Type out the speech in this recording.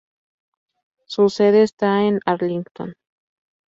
Su sede está en Arlington.